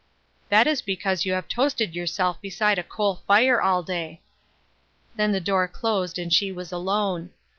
" That is because you have toasted yourself beside a coal fire all day." Then the door closed and she was alone.